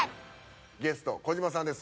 ゲスト児嶋さんです。